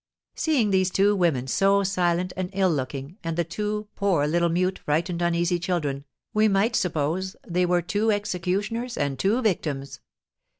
Seeing these two women so silent and ill looking, and the two poor little mute, frightened, uneasy children, we might suppose they were two executioners and two victims.